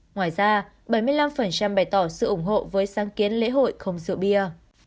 ngoài ra bảy mươi năm bày tỏ sự ủng hộ với sáng kiến lễ hội không rượu bia